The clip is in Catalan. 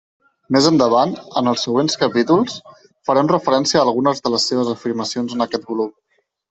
Més endavant, en els següents capítols, farem referència a algunes de les seves afirmacions en aquest volum.